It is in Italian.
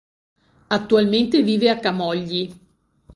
Attualmente vive a Camogli.